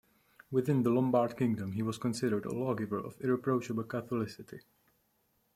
Within the Lombard kingdom he was considered a lawgiver of irreproachable Catholicity.